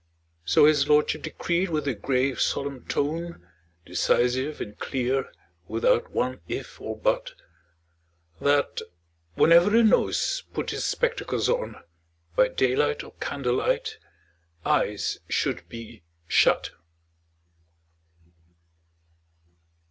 So his lordship decreed with a grave solemn tone, Decisive and clear, without one if or but That, whenever the Nose put his spectacles on, By daylight or candlelight Eyes should be shut!